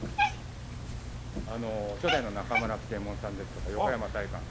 あの初代の中村吉右衛門さんですとか横山大観さん。